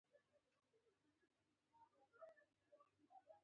تیمور د افغانستان لوی واکمن وو.